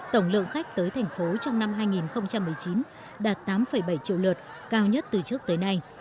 tổng lượng khách tới thành phố trong năm hai nghìn một mươi chín đạt tám bảy triệu lượt cao nhất từ trước tới nay